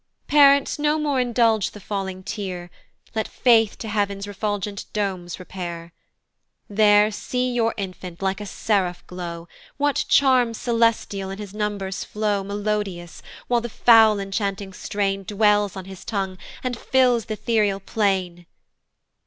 Parents, no more indulge the falling tear: Let Faith to heav'n's refulgent domes repair, There see your infant, like a seraph glow: What charms celestial in his numbers flow Melodious, while the foul enchanting strain Dwells on his tongue, and fills th' ethereal plain?